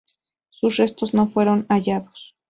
Sus restos no fueron hallados.